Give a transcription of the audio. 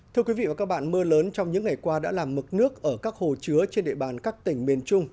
thưa quý vị và các bạn mưa lớn trong những ngày qua đã làm mực nước ở các hồ chứa trên địa bàn các tỉnh miền trung